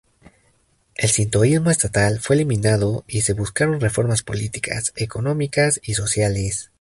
El sintoísmo estatal fue eliminado y se buscaron reformas políticas, económicas y sociales.